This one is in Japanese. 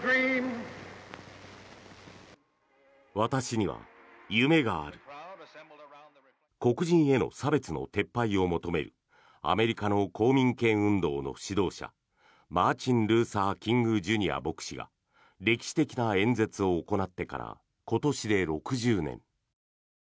私には夢がある黒人への差別の撤廃を求めるアメリカの公民権運動の指導者マーチン・ルーサー・キング・ジュニア牧師が歴史的な演説を行ってから今年で６０年。